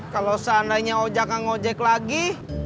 kalau seandainya ojak nge ojek lagi